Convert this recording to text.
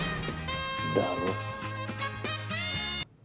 だろ？